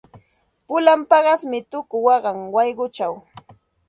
Pulan paqasmi tuku waqan wayquchaw.